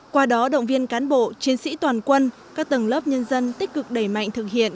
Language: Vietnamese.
qua đó động viên cán bộ chiến sĩ toàn quân các tầng lớp nhân dân tích cực đẩy mạnh thực hiện